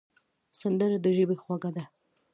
سندره د ژبې خواږه ده